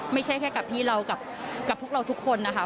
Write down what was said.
ไม่ใช่แค่กับที่เรากับพวกเราทุกคนนะคะ